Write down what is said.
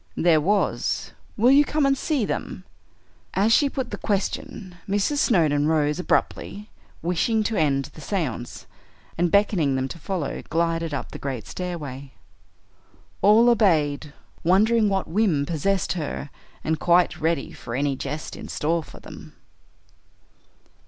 "There was. Will you come and see them?" As she put the question, Mrs. Snowdon rose abruptly, wishing to end the séance, and beckoning them to follow glided up the great stairway. All obeyed, wondering what whim possessed her, and quite ready for any jest in store for them.